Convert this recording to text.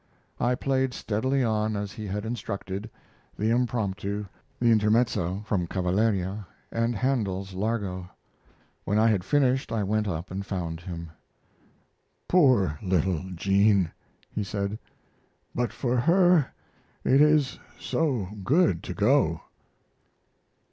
I played steadily on as he had instructed, the Impromptu, the Intermezzo from "Cavalleria," and Handel's Largo. When I had finished I went up and found him. "Poor little Jean," he said; "but for her it is so good to go."